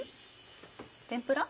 天ぷら？